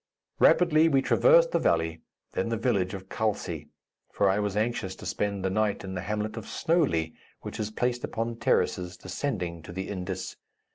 Rapidly we traversed the valley, then the village of Khalsi, for I was anxious to spend the night in the hamlet of Snowely, which is placed upon terraces descending to the Indus.